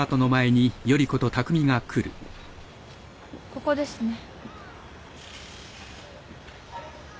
ここですね。